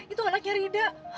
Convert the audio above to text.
itu anaknya rida